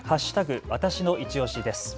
わたしのいちオシです。